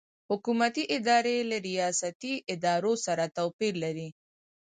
حکومتي ادارې له ریاستي ادارو سره توپیر لري.